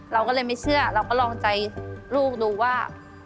เราก็เลยไม่เชื่อเราก็ลองใจลูกดูว่า